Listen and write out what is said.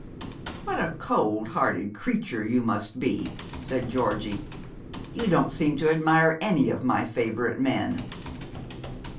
'What a cold hearted creature you must be,' said Georgie. 'You don't seem to admire any of my favourite men.'